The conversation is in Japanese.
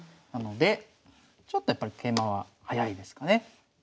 なのでちょっとやっぱり桂馬は早いですかね。